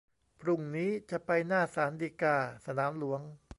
พรุ่งนี้จะไปหน้าศาลฎีกา สนามหลวง